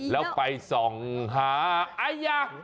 แล้วไปส่องหา